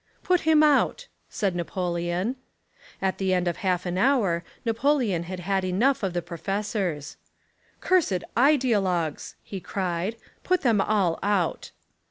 "Put him out," said Napoleon. At the end of half an hour Napoleon had had enough of the pro fessors. "Cursed idealogues," he cried; "put them all out."